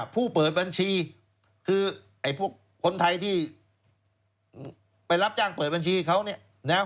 ๕ผู้เปิดบัญชีคือคนไทยที่ไปรับจ้างเปิดบัญชีเขาเนี่ย